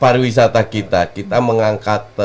pariwisata kita kita mengangkat